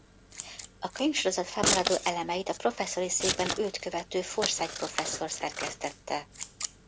A könyvsorozat fennmaradó elemeit a professzori székben őt követő Forsyth professzor szerkesztette.